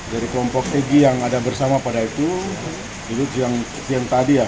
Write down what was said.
dari kelompok egy yang ada bersama pada itu itu yang tadi ya